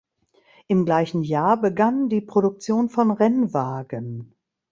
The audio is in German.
Im gleichen Jahr begann die Produktion von Rennwagen.